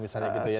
misalnya gitu ya